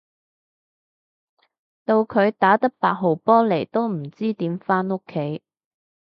到佢打得八號波嚟都唔知點返屋企